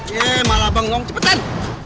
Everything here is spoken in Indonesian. yee malah banggung cepetan